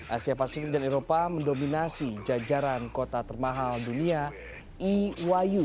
asia pasifik dan eropa mendominasi jajaran kota termahal dunia eyyu